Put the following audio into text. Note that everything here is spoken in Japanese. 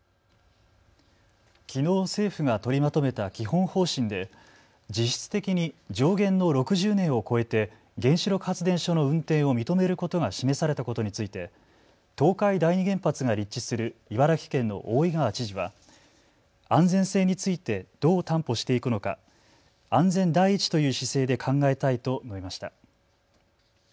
きのう政府が取りまとめた基本方針で実質的に上限の６０年を超えて原子力発電所の運転を認めることが示されたことについて東海第二原発が立地する茨城県の大井川知事は安全性についてどう担保していくのか安全第一という姿勢で考えたいと述べました。